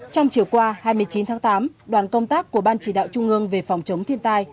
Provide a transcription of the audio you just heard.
trong chiều qua hai mươi chín tháng tám đoàn công tác của ban chỉ đạo trung ương về phòng chống thiên tai